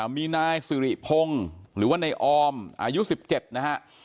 มีนายสิริพงศ์หรือว่าในออมอายุ๑๗นะฮะ